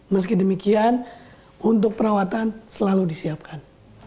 meski demikian untuk perawatan selalu disiapkan